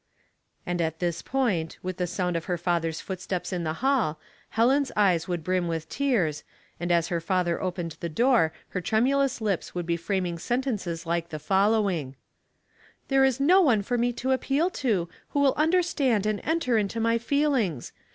And at this point, with the sound of her father's footsteps in the hall, Helen's eyes would brim with tears, and as her father opened the door her tremulous lips would be framing sen tences like the following: " There is no one for me to appeal to, who will understand and enter into my feelings.